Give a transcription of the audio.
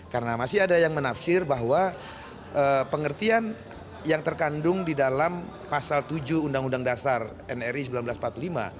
karena masih ada yang menafsir bahwa pengertian yang terkandung di dalam pasal tujuh undang undang dasar nri seribu sembilan ratus empat puluh lima